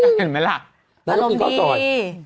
นายกกินข้าวสอย